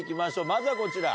まずはこちら。